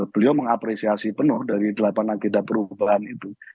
beliau mengapresiasi penuh dari delapan agenda perubahan itu